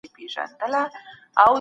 نو پر تا به د قصاب ولي بری وای